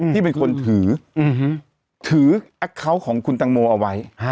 ที่เป็นคนถือถือแอคเคาน์ของคุณตังโมเอาไว้